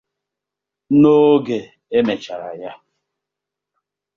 na oge e mechara ya.